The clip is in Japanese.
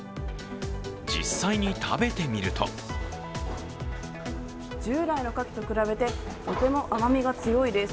実際に食べてみると従来のかきと比べてとても甘みが強いです。